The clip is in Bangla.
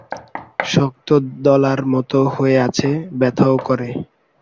শক্ত দলার মত হয়ে আছে ব্যথাও করে।